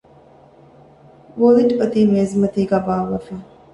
ވޮލިޓް އޮތީ މޭޒުމަތީގައި ބާއްވައިފަ